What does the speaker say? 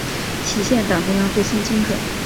体现党中央最新精神